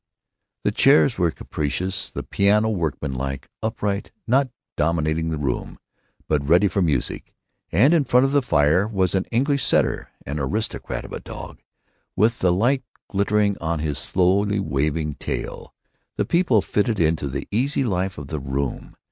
The chairs were capacious, the piano a workmanlike upright, not dominating the room, but ready for music; and in front of the fire was an English setter, an aristocrat of a dog, with the light glittering in his slowly waving tail. The people fitted into the easy life of the room.